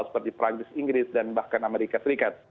seperti perancis inggris dan bahkan amerika serikat